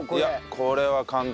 これは簡単。